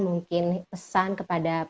mungkin pesan kepada